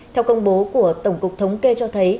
theo công bố của tổng cục thống kê cho thấy